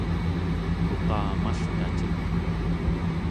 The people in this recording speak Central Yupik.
uqamaltaciq